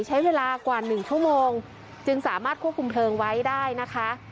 ใช้เวลากว่า๑ชั่วโมงจึงสามารถควบคุมเพลิงไว้ได้นะคะ